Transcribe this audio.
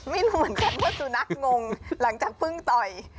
ไม่รู้เหมือนกันว่าสุนัขงงหลังจากเพิ่งต่อย